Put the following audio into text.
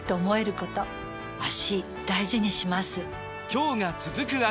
今日が、続く脚。